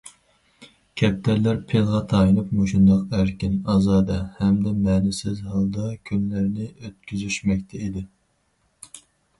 كەپتەرلەر پىلغا تايىنىپ مۇشۇنداق ئەركىن، ئازادە ھەمدە مەنىسىز ھالدا كۈنلەرنى ئۆتكۈزۈشمەكتە ئىدى.